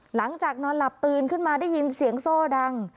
นอนหลับตื่นขึ้นมาได้ยินเสียงโซ่ดัง